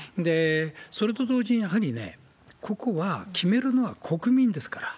それと同時にやはりね、ここは決めるのは国民ですから。